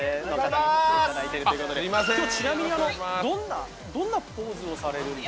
ちなみに今日は、どんなポーズをされるんですか？